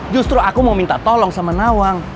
justru aku mau minta tolong sama nawang